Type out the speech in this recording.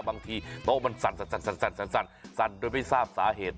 บางทีโต๊ะมันสั่นโดยไม่ทราบสาเหตุ